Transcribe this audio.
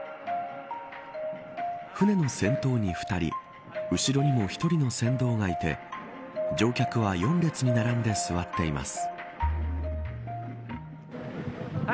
舟の先頭に２人後ろにも１人の船頭がいて乗客は４列に並んで座っています。